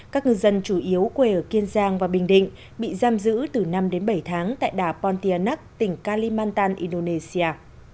các ngư dân chủ yếu quê ở kiên giang và bình định bị giam giữ từ năm đến bảy tháng tại đảo pantianak tỉnh kalimantan indonesia